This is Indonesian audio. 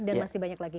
dan masih banyak lagi